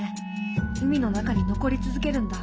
海の中に残り続けるんだ。